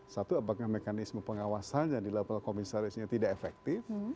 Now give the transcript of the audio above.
satu apakah mekanisme pengawasannya di level komisarisnya tidak efektif